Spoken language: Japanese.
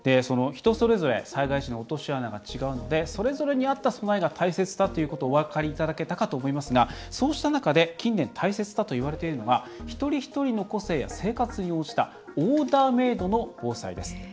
人それぞれ災害時の落とし穴が違うので、それぞれに合った備えが大切だということがお分かりいただけたかと思いますがそうした中で近年大切だといわれているのが一人一人の個性や生活に応じたオーダーメードの防災です。